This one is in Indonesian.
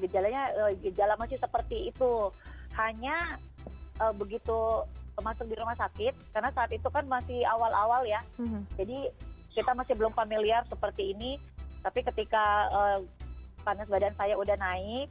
gejalanya gejala masih seperti itu hanya begitu masuk di rumah sakit karena saat itu kan masih awal awal ya jadi kita masih belum familiar seperti ini tapi ketika panas badan saya udah naik